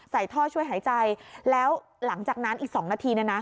ใส่ท่อช่วยหายใจแล้วหลังจากนั้นอีก๒นาที